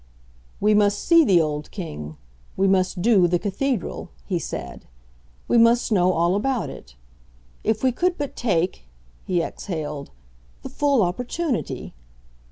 "We must see the old king; we must 'do' the cathedral," he said; "we must know all about it. If we could but take," he exhaled, "the full opportunity!"